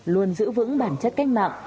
luôn giữ vững bản chất cách mạng